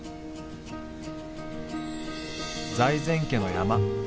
財前家の山。